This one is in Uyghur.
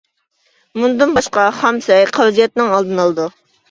مۇندىن باشقا خام سەي قەۋزىيەتنىڭ ئالدىنى ئالىدۇ.